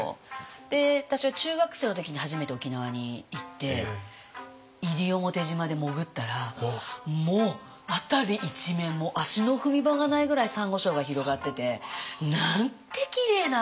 で私は中学生の時に初めて沖縄に行って西表島で潜ったらもう辺り一面足の踏み場がないぐらいサンゴ礁が広がっててなんてきれいなんだろう。